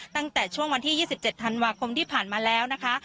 ตั้งแต่ช่วงวันที่๒๗ธันวาคมที่ผ่านมาแล้วนะคะ